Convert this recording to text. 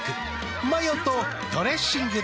マヨとドレッシングで。